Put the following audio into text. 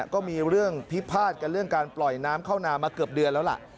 ก็มีเรื่องพิพาทกันเรื่องการปล่อยน้ำเข้านามาเกือบเดือนแล้วล่ะ